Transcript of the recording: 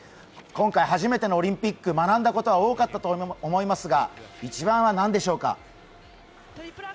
今回初めてのオリンピック学んだことは多かったと思いますが一番は何でしょうか。